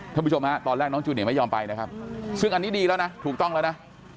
ผู้ชมฮะตอนแรกน้องจูเนียไม่ยอมไปนะครับซึ่งอันนี้ดีแล้วนะถูกต้องแล้วนะ